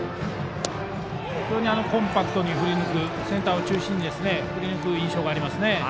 非常にコンパクトに振り抜くセンターを中心に振り抜く印象がありますね。